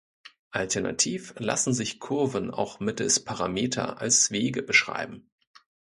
Alternativ lassen sich Kurven auch mittels Parameter als Wege beschreiben.